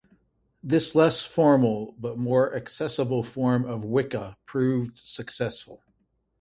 This less formal but more accessible form of Wicca proved successful.